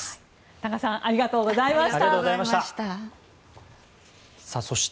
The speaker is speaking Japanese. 多賀さんありがとうございました。